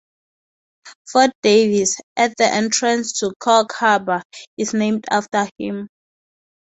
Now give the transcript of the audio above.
Fort Davis, at the entrance to Cork Harbour, is named after him.